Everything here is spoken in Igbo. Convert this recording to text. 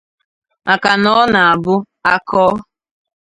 maka na ọ na-abụ a kọọ